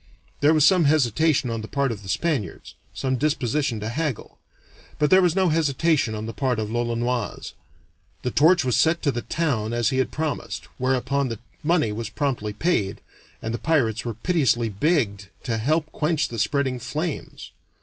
There was some hesitation on the part of the Spaniards, some disposition to haggle, but there was no hesitation on the part of l'Olonoise. The torch was set to the town as he had promised, whereupon the money was promptly paid, and the pirates were piteously begged to help quench the spreading flames.